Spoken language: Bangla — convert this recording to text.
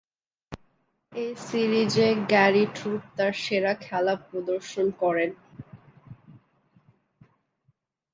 এ সিরিজে গ্যারি ট্রুপ তার সেরা খেলা প্রদর্শন করেন।